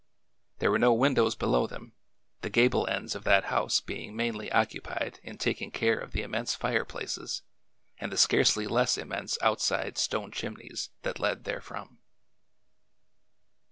There were no windows below them, the gable ends of that house being mainly occupied in taking care of the immense fireplaces and the scarcely less im mense outside stone chimneys that led therefrom.